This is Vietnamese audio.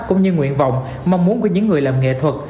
cũng như nguyện vọng mong muốn của những người làm nghệ thuật